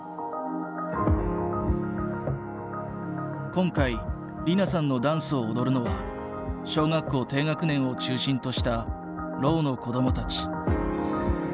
今回莉菜さんのダンスを踊るのは小学校低学年を中心としたろうの子どもたち。